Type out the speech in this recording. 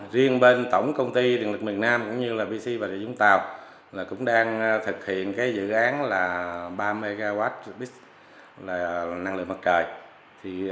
riêng bên tổng công ty điện lực miền nam cũng như là vc và địa dung tàu cũng đang thực hiện dự án ba mw năng lượng mặt trời